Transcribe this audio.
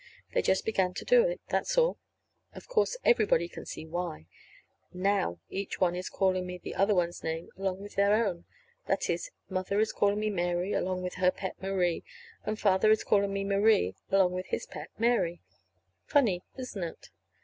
They just began to do it. That's all. Of course, anybody can see why: now each one is calling me the other one's name along with their own. That is, Mother is calling me Mary along with her pet Marie, and Father is calling me Marie along with his pet Mary. Funny, isn't it?